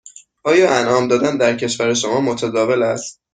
آیا انعام دادن در کشور شما متداول است؟